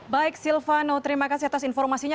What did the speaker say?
baik silvano terima kasih atas informasinya